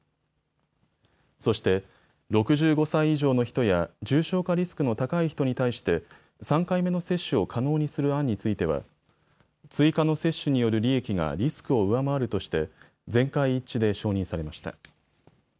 そして６５歳以上の人や重症化リスクの高い人に対して３回目の接種を可能にする案については追加の接種による利益がリスクを上回るとして全会一致で承認されました。